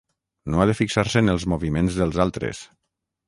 No ha de fixar-se en els moviments dels altres.